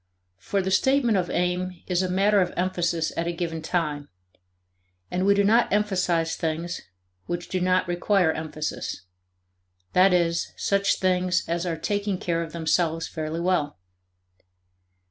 For the statement of aim is a matter of emphasis at a given time. And we do not emphasize things which do not require emphasis that is, such things as are taking care of themselves fairly well.